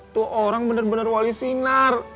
tuh orang bener bener wali sinar